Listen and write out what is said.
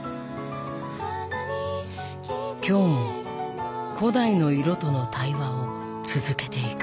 今日も古代の色との対話を続けていく。